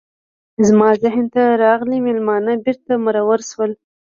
زما ذهن ته راغلي میلمانه بیرته مرور شول.